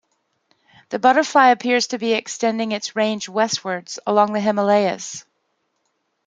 The butterfly appears to be extending its range westwards along the Himalayas.